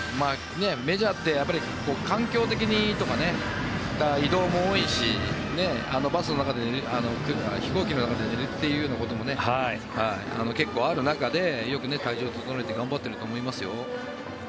メジャーって環境的にとかね移動も多いし飛行機の中で寝るってことも結構ある中で、よく体調を整えて頑張っていると思いますよ。